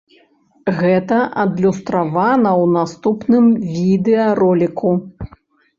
Гэта адлюстравана ў наступным відэароліку.